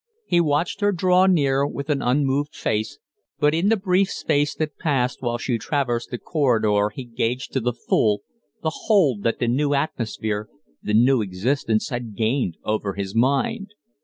He watched her draw near with an unmoved face, but in the brief space that passed while she traversed the corridor he gauged to the full the hold that the new atmosphere, the new existence, had gained over his mind.